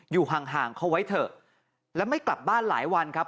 ห่างห่างเขาไว้เถอะแล้วไม่กลับบ้านหลายวันครับ